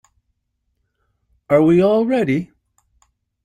Are we all ready?